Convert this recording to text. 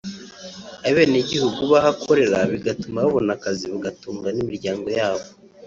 abene gihugu baho akorera bigatuma babona akazi bagatunga n’imiryango yabo